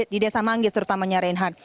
di desa manggis terutamanya reinhard